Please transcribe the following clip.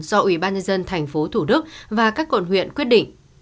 do ubnd tp hcm và các cộn huyện quyết định